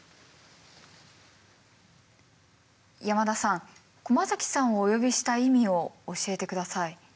山田さん駒崎さんをお呼びした意味を教えて下さい。